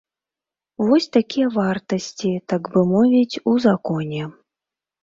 Вось такія вартасці, так бы мовіць, у законе.